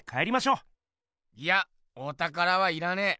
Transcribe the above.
いやおたからはいらねえ。